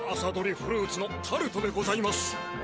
フルーツのタルトでございます。